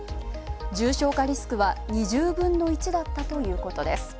重症化リスクは２０分の１だったということです。